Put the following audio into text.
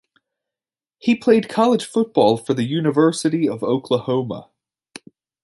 He played college football for the University of Oklahoma.